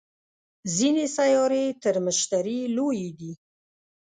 ځینې سیارې تر مشتري لویې دي